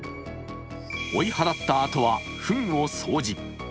追い払ったあとはフンを掃除。